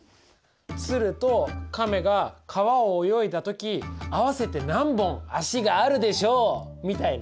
鶴と亀が川を泳いだ時合わせて何本足があるでしょうみたいな。